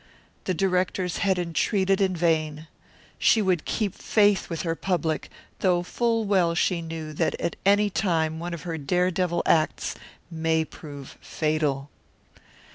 The directors had entreated in vain. She would keep faith with her public, though full well she knew that at any time one of her dare devil acts might prove fatal.